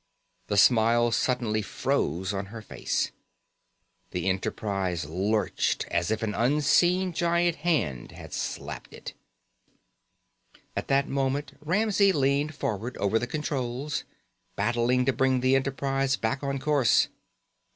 The smile suddenly froze on her face. The Enterprise lurched as if an unseen giant hand had slapped it. At that moment Ramsey leaned forward over the controls, battling to bring the Enterprise back on course.